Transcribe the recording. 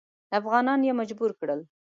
افغانان یې مجبور کړل.